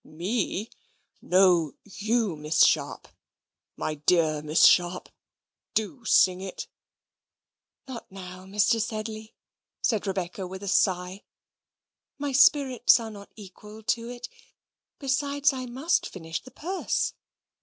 "Me? No, you, Miss Sharp; my dear Miss Sharp, do sing it." "Not now, Mr. Sedley," said Rebecca, with a sigh. "My spirits are not equal to it; besides, I must finish the purse.